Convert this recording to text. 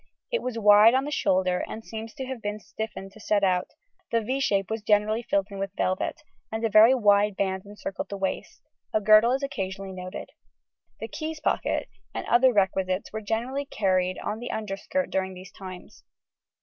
It was wide on the shoulder, and seems to have been stiffened to set out; the =V= shape was generally filled in with velvet, and a very wide band encircled the waist; a girdle is occasionally noted. The keys' pocket and other requisites were generally carried on the underskirt during these times.